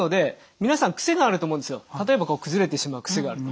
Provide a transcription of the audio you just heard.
例えばこう崩れてしまう癖があると。